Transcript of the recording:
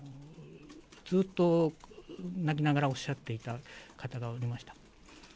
ずっと泣きながらおっしゃっていた方がおりました。